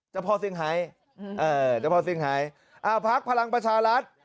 เจ้าพ่อสิงหายเออเจ้าพ่อสิงหายอ่าพรรคพลังประชารัฐ